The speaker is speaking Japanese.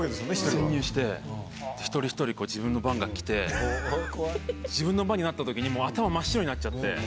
潜入して一人一人自分の番がきて自分の番になったときにもう頭真っ白になっちゃって。